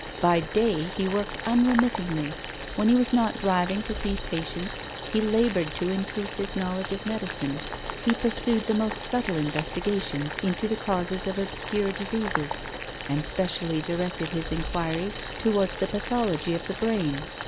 By day he worked unremit tingly. When he was not driving to see patients he laboured to increase his knowledge of medicine. He pursued the most subtle investigations into the causes of obscure diseases, and specially directed his inquiries towards the pathology of THE LIVING CHILD. 235 the brain.